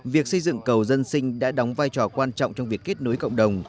việc xây dựng cầu dân sinh đã đóng vai trò quan trọng trong việc kết nối cộng đồng